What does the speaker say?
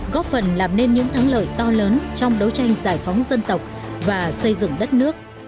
góp phần làm nên những thắng lợi to lớn trong đấu tranh giải phóng dân tộc và xây dựng đất nước